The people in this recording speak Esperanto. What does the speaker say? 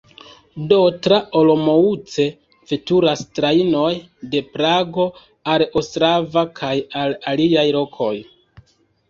Do, tra Olomouc veturas trajnoj de Prago al Ostrava kaj al aliaj lokoj.